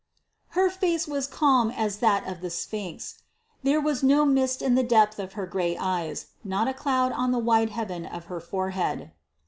Her face was calm as that of the Sphinx; there was no mist in the depth of her gray eyes, not a cloud on the wide heaven of her forehead.